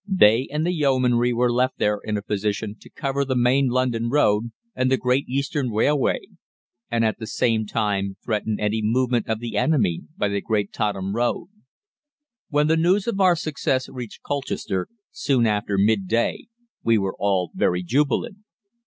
They and the Yeomanry were left there in a position to cover the main London Road and the Great Eastern Railway, and at the same time threaten any movement of the enemy by the Great Totham Road. When the news of our success reached Colchester, soon after midday, we were all very jubilant.